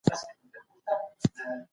په جرګه کي کوم کمېسیونونه شتون لري؟